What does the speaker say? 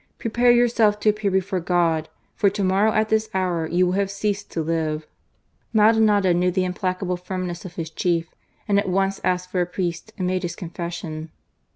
Prepare yourself to appear before God, for to morrow at this hour you will have J ceased to live." Maldonado knew the implacable firmness of hi& | chief, and at once asked for a priest and made his I confession.